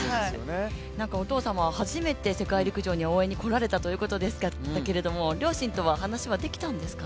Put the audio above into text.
お父様は初めて世界陸上に応援に来られたということですけども両親とは話はできたんですか？